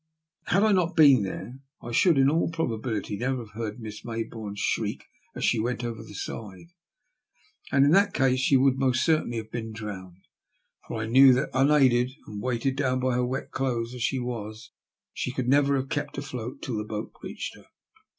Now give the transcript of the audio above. Had I not been there I should in all probability never have heard Miss Mayboume's shriek as she went over the side, and in that case she would most certainly have been drowned ; for I knew that, unaided and weighed down by her wet clothes as she was, she could never have kept afloat till the boat reached her.